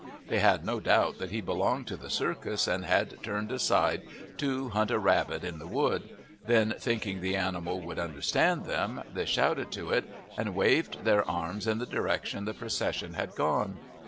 They had no doubt that he belonged to the circus and had turned aside to hunt a rabbit in the wood; then, thinking the animal would understand them, they shouted to it and waved their arms in the direction the procession had gone.